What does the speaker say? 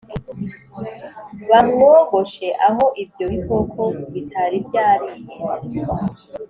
bamwogoshe aho ibyo bikoko bitari byariye